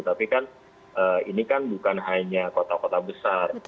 tapi kan ini kan bukan hanya kota kota besar